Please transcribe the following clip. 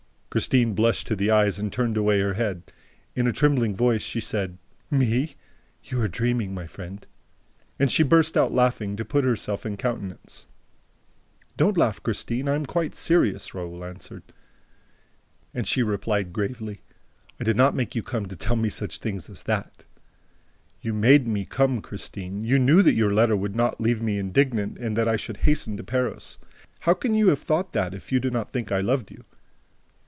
Christine blushed to the eyes and turned away her head. In a trembling voice, she said: "Me? You are dreaming, my friend!" And she burst out laughing, to put herself in countenance. "Don't laugh, Christine; I am quite serious," Raoul answered. And she replied gravely: "I did not make you come to tell me such things as that." "You 'made me come,' Christine; you knew that your letter would not leave me indignant and that I should hasten to Perros. How can you have thought that, if you did not think I loved you?"